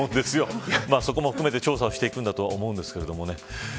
そこも含めて調査をしていくんだと思いますけどね。